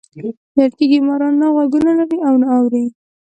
ویل کېږي ماران نه غوږونه لري او نه اوري.